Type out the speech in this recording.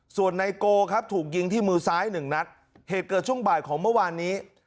ส่วนไนโกครับถูกยิงที่มือซ้ายหนึ่งนัดเหตุเกิดช่วงบ่ายของเมื่อวานนี้